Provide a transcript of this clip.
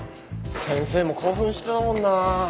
先生も興奮してたもんな。